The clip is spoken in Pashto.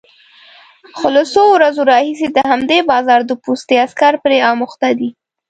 خو له څو ورځو راهيسې د همدې بازار د پوستې عسکر پرې اموخته دي،